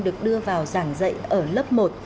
được đưa vào giảng dạy ở lớp một